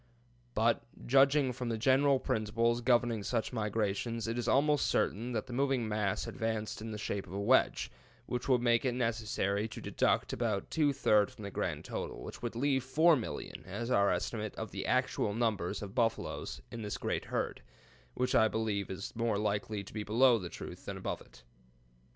But, judging from the general principles governing such migrations, it is almost certain that the moving mass advanced in the shape of a wedge, which would make it necessary to deduct about two third from the grand total, which would leave 4,000,000 as our estimate of the actual number of buffaloes in this great herd, which I believe is more likely to be below the truth than above it.